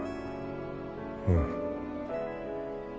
うん